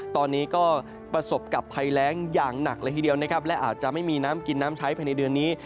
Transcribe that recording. ตอนนี้ก็ประสบกับภัยแรงอย่างหนักเลยทีเดียวนะครับและอาจจะไม่มีน้ำกินน้ำใช้ภายในเดือนนี้